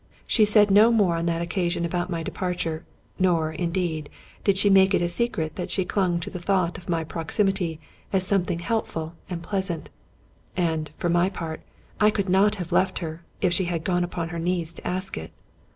She said no more on that occasion about my departure; nor, indeed, did she make it a secret that she clung to the thought of my proximity as something helpful and pleas ant; and, for my part, I could not have left her, if she had gone upon her knees to ask it.